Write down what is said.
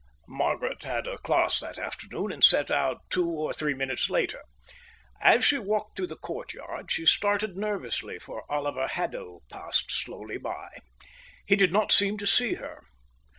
Margaret had a class that afternoon and set out two or three minutes later. As she walked through the courtyard she started nervously, for Oliver Haddo passed slowly by. He did not seem to see her.